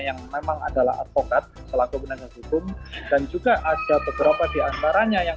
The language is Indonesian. yang memang adalah advokat selaku penasihat hukum dan juga ada beberapa diantaranya yang